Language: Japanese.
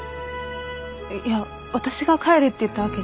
いや私が帰れって言ったわけじゃ。